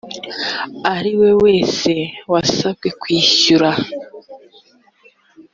ariwe wese wasabwe kwishyura